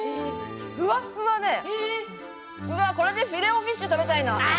ふわふわで、これでフィレオフィッシュ食べたいな。